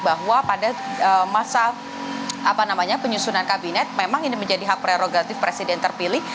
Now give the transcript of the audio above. bahwa pada masa penyusunan kabinet memang ini menjadi hak prerogatif presiden terpilih